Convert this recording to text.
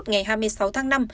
ngày hai mươi sáu tháng năm